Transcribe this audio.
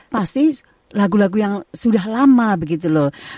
pasti lagu lagu yang sudah lama begitu loh